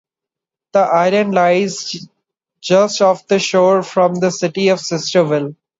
The island lies just off the shore from the city of Sistersville.